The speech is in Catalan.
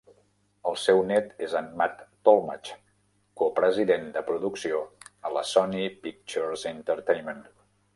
El seu net és en Matt Tolmach, copresident de producció a la Sony Pictures Entertainment.